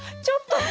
ちょこっと！